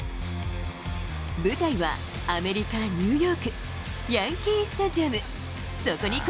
舞台はアメリカ・ニューヨーク、ヤンキースタジアム。